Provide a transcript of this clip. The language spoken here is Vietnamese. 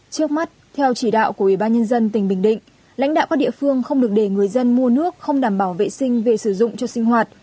trước mắt theo chỉ đạo của ủy ban nhân dân tỉnh bình định lãnh đạo các địa phương không được để người dân mua nước không đảm bảo vệ sinh về sử dụng cho sinh hoạt